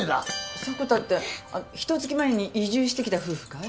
迫田ってひと月前に移住してきた夫婦かい？